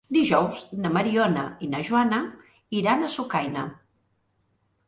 Dijous na Mariona i na Joana iran a Sucaina.